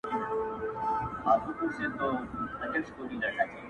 د وینو جوش، د توري شرنګ، ږغ د افغان به نه وي!.